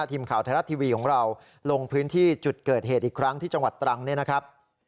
ทีมข่าวไทยรัฐทีวีของเราลงพื้นที่จุดเกิดเหตุอีกครั้งที่จังหวัดตรังเนี่ยนะครับ